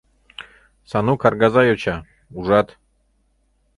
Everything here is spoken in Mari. — Сану каргаза йоча, ужат.